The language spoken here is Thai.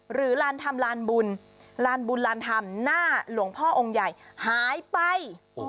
หรือลานทำลานบุญลานบุญลานทำหน้าหลวงพ่อองค์ใหญ่หายไป